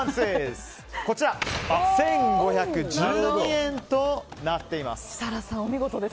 １５１２円となっています。